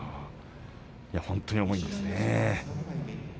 本当に重いんですね。